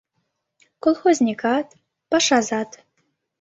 Колхозникат, пашазат